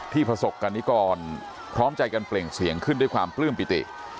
ประสบกรณิกรพร้อมใจกันเปล่งเสียงขึ้นด้วยความปลื้มปิติ